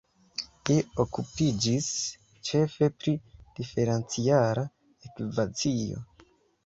Li okupiĝis ĉefe pri Diferenciala ekvacio.